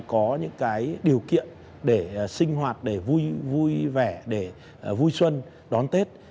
có những cái điều kiện để sinh hoạt để vui vẻ để vui xuân đón tết